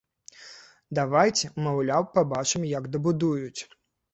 Давайце, маўляў, пабачым, як дабудуюць.